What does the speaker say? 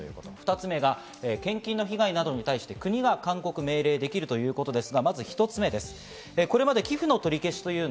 ２つ目が献金の被害などに対し、国が勧告・命令できるということです。